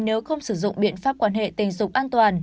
nếu không sử dụng biện pháp quan hệ tình dục an toàn